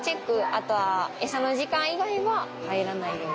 あとは餌の時間以外は入らないように。